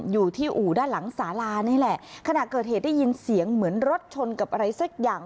อยู่ที่อู่ด้านหลังสาลานี่แหละขณะเกิดเหตุได้ยินเสียงเหมือนรถชนกับอะไรสักอย่าง